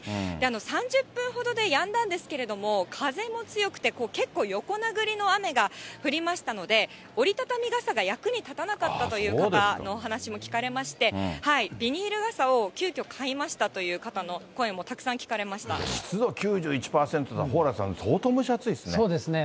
３０分ほどでやんだんですけれども、風も強くて、結構横殴りの雨が降りましたので、折り畳み傘が役に立たなかったという方のお話も聞かれまして、ビニール傘を急きょ買いましたという方の声もたくさん聞かれまし湿度９１％だと、蓬莱さん、そうですね。